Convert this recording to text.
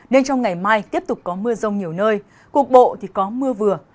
nên trong ngày mai tiếp tục có mưa rông nhiều nơi cuộc bộ thì có mưa vừa